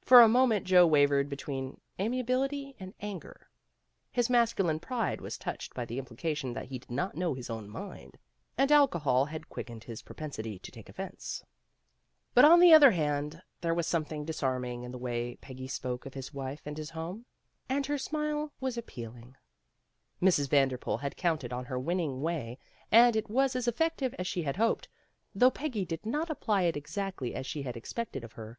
For a moment Joe wavered between amia bility and anger. His masculine pride was touched by the implication that he did not know his own mind, and alcohol had quickened his propensity to take offense. But on the other THE RUMMAGE SALE 83 hand, there was something disarming in the way Peggy spoke of his wife and his home, and her smile was appealing. Mrs. Vanderpool had counted on her winning way and it was as effective as she had hoped, though Peggy did not apply it exactly as she had expected of her.